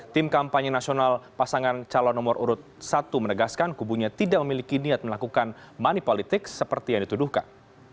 tim kampanye nasional pasangan calon nomor urut satu menegaskan kubunya tidak memiliki niat melakukan money politik seperti yang dituduhkan